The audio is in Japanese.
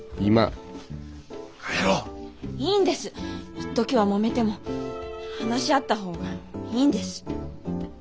いっときはもめても話し合った方がいいんです。